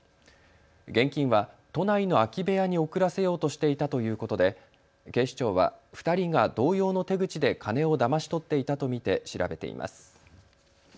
現金は都内の空き部屋に送らせようとしていたということで警視庁は２人が同様の手口で金をだまし取っていたと見て調べています。